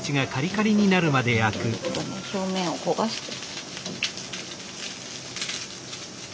表面を焦がして。